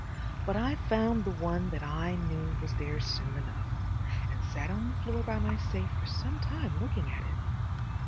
But I found the one that I knew was there soon enough, and sat on the floor by my safe for some time looking at it.